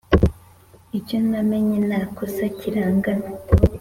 Icyo namenye nta kosa kiranganwa,